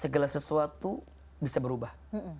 segala sesuatu bisa berubah